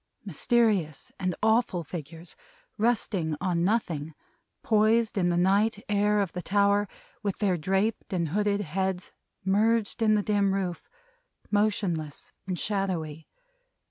Mysterious and awful figures! Resting on nothing; poised in the night air of the tower, with their draped and hooded heads merged in the dim roof; motionless and shadowy.